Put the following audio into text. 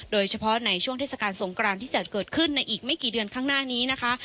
โดยเฉพาะในช่วงเทศกาลสงกรานที่จะเกิดขึ้นในอีกไม่กี่เดือนข้างหน้านี้นะคะ